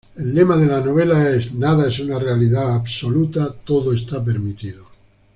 El lema de la novela es "Nada es una realidad absoluta, todo está permitido".